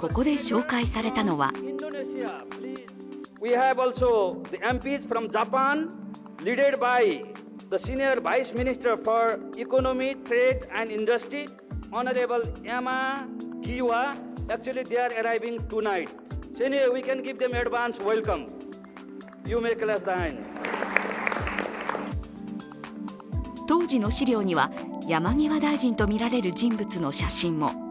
ここで紹介されたのは当時の資料には山際大臣とみられる人物の写真も。